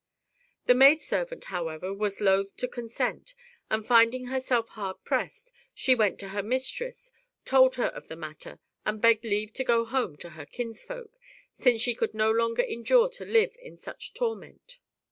The maid servant, however, was loth to con sent, and finding herself hard pressed, she went to her mistress, told her of the matter, and begged leave to go home to her kinsfolk, since she could no longer endure to live in such tor ment.